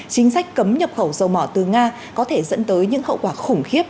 chính sách cấm nhập khẩu dầu mỏ từ nga có thể dẫn tới những hậu quả khủng khiếp